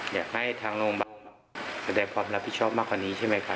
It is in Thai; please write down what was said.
อยากให้ทางโรงพยาบาลแสดงความรับผิดชอบมากกว่านี้ใช่ไหมครับ